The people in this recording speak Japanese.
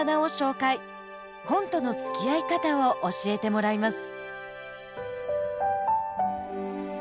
本とのつきあい方を教えてもらいます。